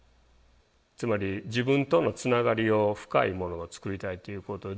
つまり自分とのつながりを深いものを作りたいということで思って。